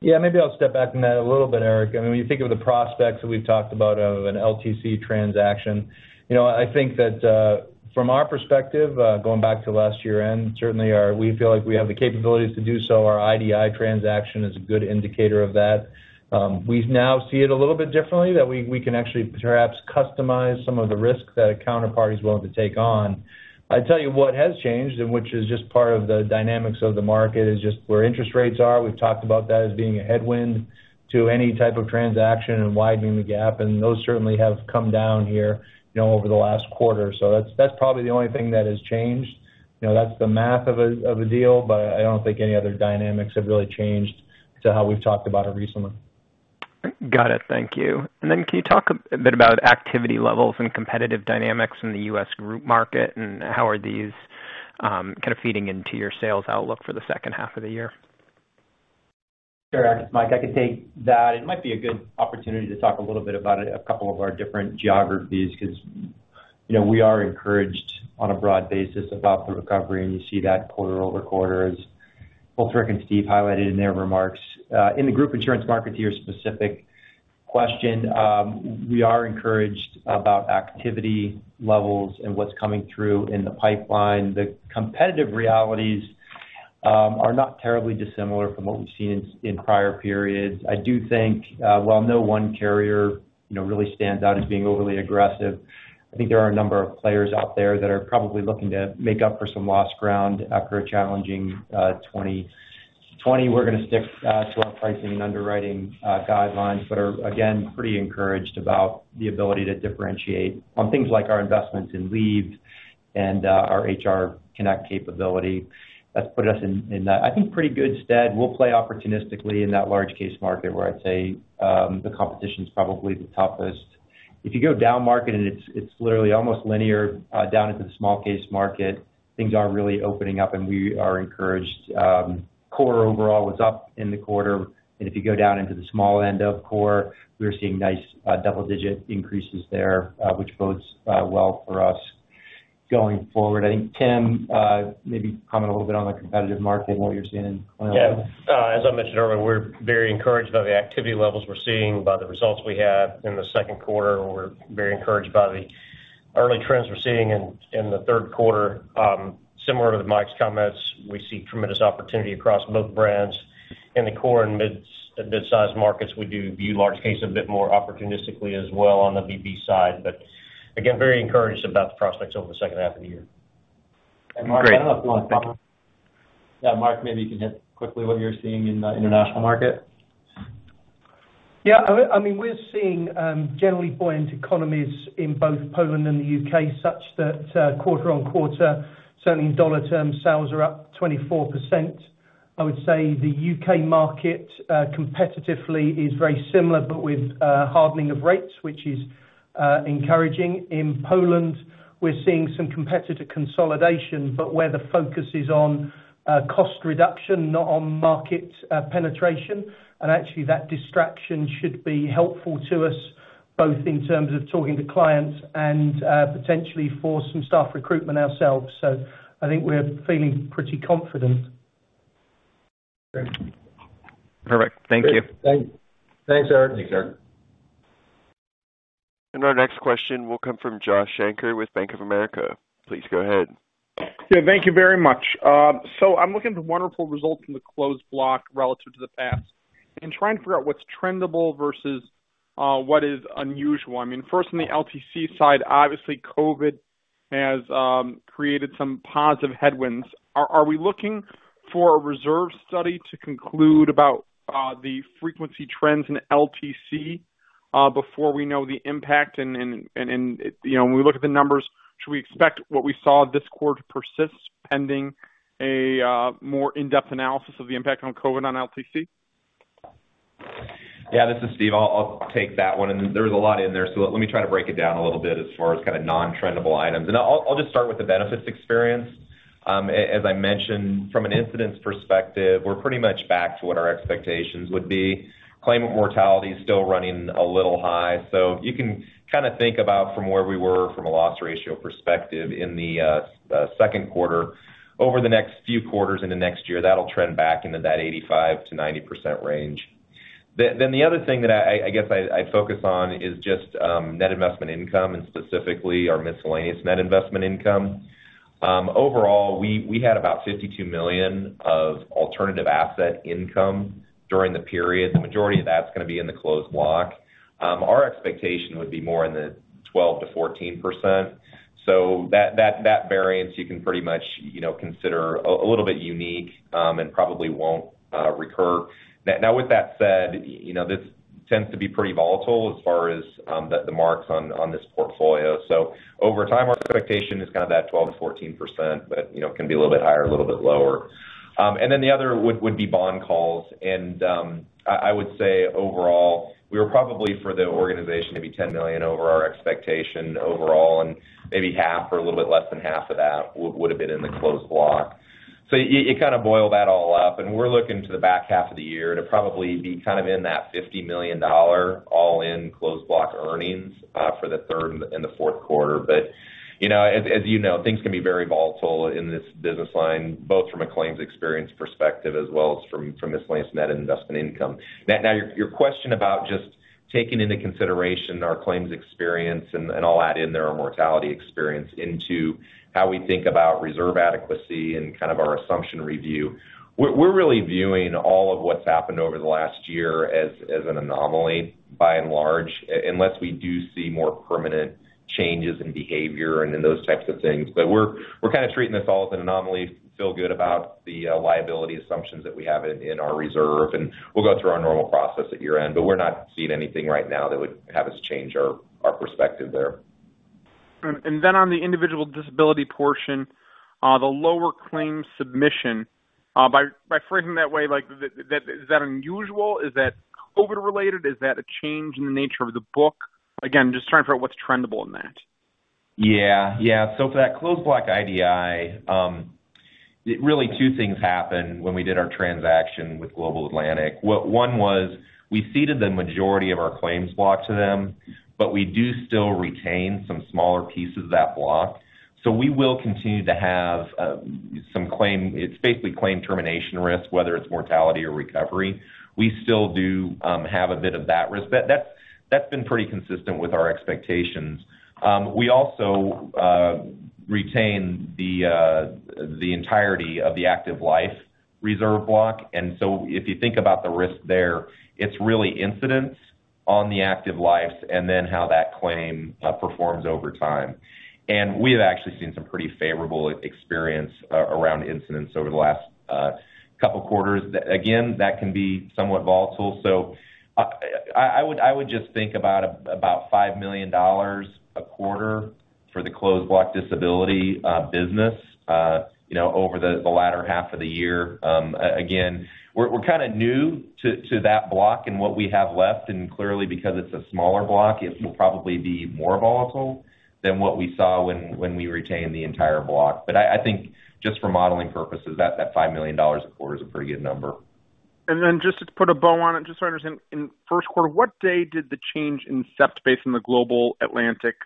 Yeah. Maybe I'll step back from that a little bit, Erik. When you think of the prospects that we've talked about of an LTC transaction, I think that from our perspective, going back to last year-end, certainly we feel like we have the capabilities to do so. Our IDI transaction is a good indicator of that. We now see it a little bit differently, that we can actually perhaps customize some of the risks that a counterparty is willing to take on. I tell you what has changed, and which is just part of the dynamics of the market, is just where interest rates are. We've talked about that as being a headwind to any type of transaction and widening the gap, and those certainly have come down here over the last quarter. That's probably the only thing that has changed. That's the math of a deal, but I don't think any other dynamics have really changed to how we've talked about it recently.
Got it. Thank you. Can you talk a bit about activity levels and competitive dynamics in the U.S. group market, and how are these kind of feeding into your sales outlook for the second half of the year?
Sure, Erik, it's Mike. I can take that. It might be a good opportunity to talk a little bit about a couple of our different geographies because we are encouraged on a broad basis about the recovery, and you see that quarter-over-quarter as both Rick and Steve highlighted in their remarks. In the group insurance market, to your specific question, we are encouraged about activity levels and what's coming through in the pipeline. The competitive realities are not terribly dissimilar from what we've seen in prior periods. I do think while no one carrier really stands out as being overly aggressive, I think there are a number of players out there that are probably looking to make up for some lost ground after a challenging 2020. 2020, we're going to stick to our pricing and underwriting guidelines, are, again, pretty encouraged about the ability to differentiate on things like our investments in leave and our HR Connect capability. That's put us in that, I think pretty good stead. We'll play opportunistically in that large case market where I'd say the competition's probably the toughest. If you go down market, it's literally almost linear down into the small-case market, things are really opening up and we are encouraged. Core overall was up in the quarter, if you go down into the small-end of core, we're seeing nice double-digit increases there, which bodes well for us going forward. I think, Tim, maybe comment a little bit on the competitive market and what you're seeing in Colonial Life.
Yeah. As I mentioned earlier, we're very encouraged by the activity levels we're seeing, by the results we had in the second quarter. We're very encouraged by the early trends we're seeing in the third quarter. Similar to Mike's comments, we see tremendous opportunity across both brands in the core and midsize markets. We do view large case a bit more opportunistically as well on the VB side. Again, very encouraged about the prospects over the second half of the year. Mark, I don't know if you want to comment.
Yeah, Mark, maybe you can hit quickly what you're seeing in the international market.
We're seeing generally buoyant economies in both Poland and the U.K., such that quarter-on-quarter, certainly in dollar terms, sales are up 24%. I would say the U.K. market competitively is very similar, but with hardening of rates, which is encouraging. In Poland, we're seeing some competitor consolidation, but where the focus is on cost reduction, not on market penetration. Actually that distraction should be helpful to us both in terms of talking to clients and potentially for some staff recruitment ourselves. I think we're feeling pretty confident.
Great. All right. Thank you.
Thanks.
Thanks, Erik.
Thanks, Erik.
Our next question will come from Josh Shanker with Bank of America. Please go ahead.
Yeah, thank you very much. I'm looking at the wonderful results in the closed block relative to the past and trying to figure out what's trendable versus what is unusual. First on the LTC side, obviously COVID has created some positive headwinds. Are we looking for a reserve study to conclude about the frequency trends in LTC before we know the impact and when we look at the numbers, should we expect what we saw this quarter to persist pending a more in-depth analysis of the impact on COVID on LTC?
Yeah, this is Steve. I'll take that one. There was a lot in there, so let me try to break it down a little bit as far as non-trendable items. I'll just start with the benefits experience. As I mentioned, from an incidence perspective, we're pretty much back to what our expectations would be. Claim mortality is still running a little high. You can think about from where we were from a loss ratio perspective in the second quarter. Over the next few quarters into next year, that'll trend back into that 85%-90% range. The other thing that I guess I'd focus on is just net investment income, and specifically our miscellaneous net investment income. Overall, we had about $52 million of alternative asset income during the period. The majority of that's going to be in the closed block. Our expectation would be more in the 12%-14%. That variance you can pretty much consider a little bit unique, and probably won't recur. Now, with that said, this tends to be pretty volatile as far as the marks on this portfolio. Over time, our expectation is that 12%-14%, but it can be a little bit higher or a little bit lower. The other would be bond calls, and I would say overall, we were probably for the organization, maybe $10 million over our expectation overall, and maybe half or a little bit less than half of that would have been in the closed block. You kind of boil that all up, and we're looking to the back half of the year to probably be in that $50 million all-in closed block earnings for the third and the fourth quarter. As you know, things can be very volatile in this business line, both from a claims experience perspective as well as from miscellaneous net investment income. Your question about just taking into consideration our claims experience, and I'll add in there our mortality experience into how we think about reserve adequacy and our assumption review. We're really viewing all of what's happened over the last year as an anomaly by and large, unless we do see more permanent changes in behavior and in those types of things. We're kind of treating this all as an anomaly. We feel good about the liability assumptions that we have in our reserve, and we'll go through our normal process at year-end. We're not seeing anything right now that would have us change our perspective there.
Then on the individual disability portion, the lower claims submission, by phrasing that way, is that unusual? Is that COVID related? Is that a change in the nature of the book? Again, I'm just trying to figure out what's trendable in that.
Yeah. For that closed block IDI, really two things happened when we did our transaction with Global Atlantic. One was, we ceded the majority of our claims block to them, but we do still retain some smaller pieces of that block. We will continue to have some claim. It's basically claim termination risk, whether it's mortality or recovery. We still do have a bit of that risk. That's been pretty consistent with our expectations. We also retain the entirety of the active life reserve block, if you think about the risk there, it's really incidence on the active lives, and then how that claim performs over time. We have actually seen some pretty favorable experience around incidents over the last a couple of quarters. Again, that can be somewhat volatile. I would just think about $5 million a quarter for the closed block disability business over the latter half of the year. Again, we're kind of new to that block and what we have left, and clearly because it's a smaller block, it will probably be more volatile than what we saw when we retained the entire block. I think just for modeling purposes, that $5 million a quarter is a pretty good number.
Just to put a bow on it, just so I understand, in first quarter, what day did the change in stat based on the Global Atlantic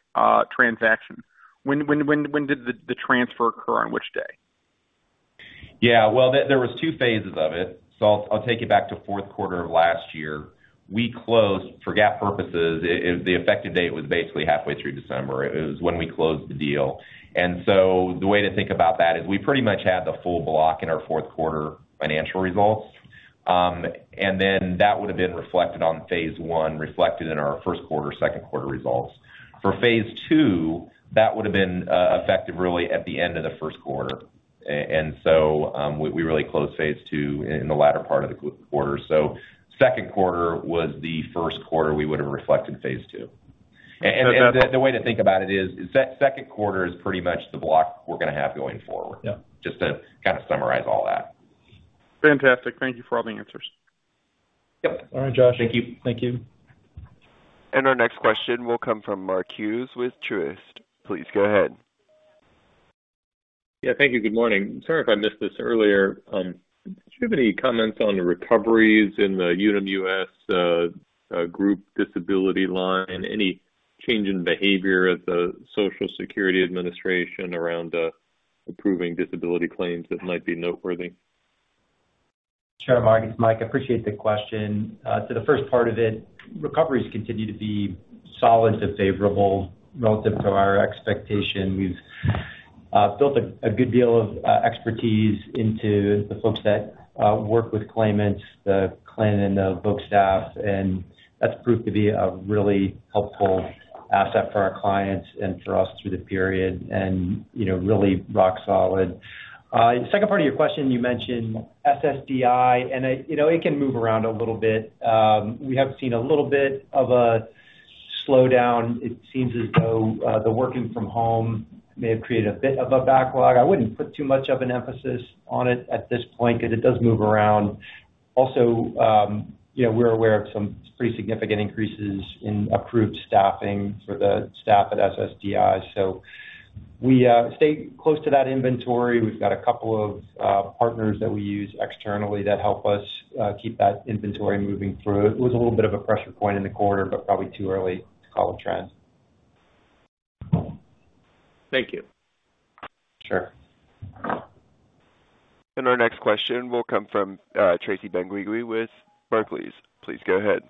transaction? When did the transfer occur, on which day?
Yeah. Well, there was two phases of it. I'll take you back to fourth quarter of last year. We closed for GAAP purposes, the effective date was basically halfway through December. It was when we closed the deal. The way to think about that is we pretty much had the full block in our fourth quarter financial results. That would've been reflected on phase I, reflected in our first quarter, second quarter results. For phase II, that would've been effective really at the end of the first quarter. We really closed phase II in the latter part of the quarter. Second quarter was the first quarter we would've reflected phase II. The way to think about it is, second quarter is pretty much the block we're going to have going forward.
Yeah.
Just to kind of summarize all that.
Fantastic. Thank you for all the answers.
Yep.
All right, Josh.
Thank you.
Thank you.
Our next question will come from Mark Hughes with Truist. Please go ahead.
Yeah, thank you. Good morning. Sorry if I missed this earlier. Do you have any comments on the recoveries in the Unum U.S. group disability line? Any change in behavior at the Social Security Administration around approving disability claims that might be noteworthy?
Sure, Mark, it's Mike Simonds, appreciate the question. The first part of it, recoveries continue to be solid to favorable relative to our expectation. We've built a good deal of expertise into the folks that work with claimants, the claim and the book staff, and that's proved to be a really helpful asset for our clients and for us through the period, and really rock solid. The second part of your question, you mentioned SSDI, and it can move around a little bit. We have seen a little bit of a slowdown. It seems as though the working from home may have created a bit of a backlog. I wouldn't put too much of an emphasis on it at this point because it does move around. Also, we're aware of some pretty significant increases in approved staffing for the staff at SSDI. We stay close to that inventory. We've got a couple of partners that we use externally that help us keep that inventory moving through. It was a little bit of a pressure point in the quarter, but probably too early to call a trend.
Thank you.
Sure.
Our next question will come from Tracy Benguigui with Barclays. Please go ahead.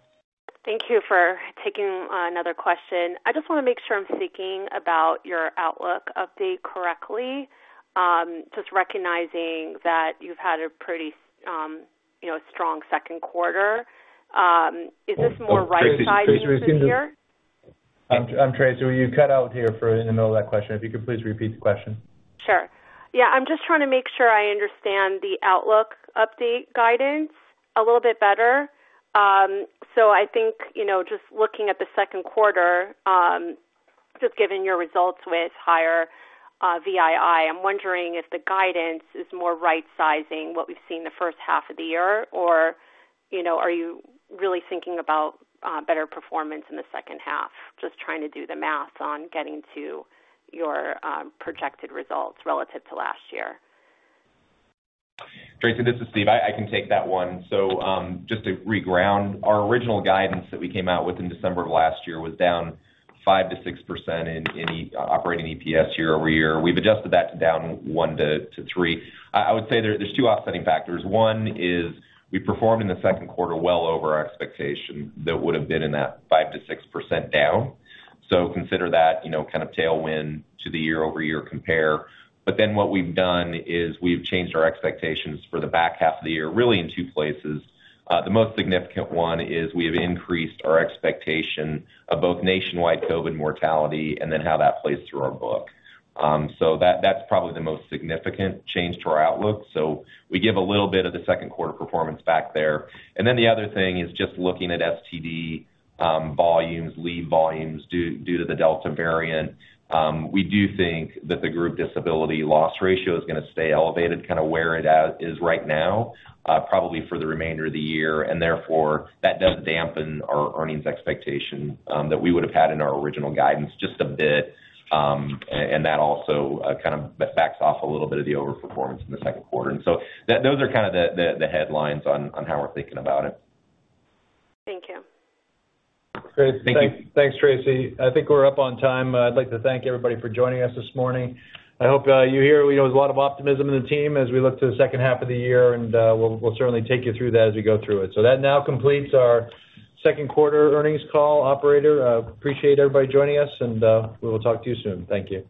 Thank you for taking another question. I just want to make sure I'm thinking about your outlook update correctly. Just recognizing that you've had a pretty strong second quarter. Is this more right-sizing we've seen here?
Tracy, you cut out here in the middle of that question. If you could please repeat the question.
Sure. Yeah, I'm just trying to make sure I understand the outlook update guidance a little bit better. I think, just looking at the second quarter, just given your results with higher VII, I'm wondering if the guidance is more right-sizing what we've seen the first half of the year, or are you really thinking about better performance in the second half? Just trying to do the math on getting to your projected results relative to last year.
Tracy, this is Steve. I can take that one. Just to reground, our original guidance that we came out with in December of last year was down 5%-6% in any operating EPS year-over-year. We've adjusted that to down 1%-3%. I would say there's two offsetting factors. One is we performed in the second quarter well over our expectation that would've been in that 5%-6% down. Consider that kind of tailwind to the year-over-year compare. What we've done is we've changed our expectations for the back half of the year, really in two places. The most significant one is we have increased our expectation of both nationwide COVID mortality and then how that plays through our book. That's probably the most significant change to our outlook. We give a little bit of the second quarter performance back there. The other thing is just looking at STD volumes, leave volumes due to the Delta variant. We do think that the group disability loss ratio is going to stay elevated kind of where it is right now, probably for the remainder of the year, and therefore that does dampen our earnings expectation that we would've had in our original guidance just a bit. That also kind of backs off a little bit of the overperformance in the second quarter. Those are kind of the headlines on how we're thinking about it.
Thank you.
Great. Thank you. Thanks, Tracy. I think we're up on time. I'd like to thank everybody for joining us this morning. I hope you hear there's a lot of optimism in the team as we look to the second half of the year. We'll certainly take you through that as we go through it. That now completes our second quarter earnings call. Operator, appreciate everybody joining us. We will talk to you soon. Thank you.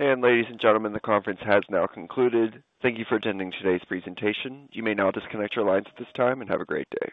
And ladies and gentlemen, the conference has now concluded. Thank you for attending today's presentation. You may now disconnect your lines at this time, and have a great day.